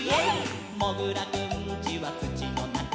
「もぐらくんちはつちのなか」「」